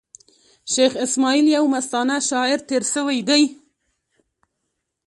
شېخ اسماعیل یو مستانه شاعر تېر سوﺉ دﺉ.